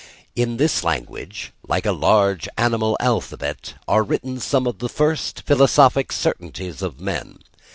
In this language, like a large animal alphabet, are written some of the first philosophic certainties of men.